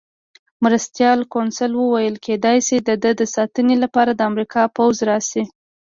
مرستیال کونسل وویل: کېدای شي د ده د ساتنې لپاره د امریکا پوځ راشي.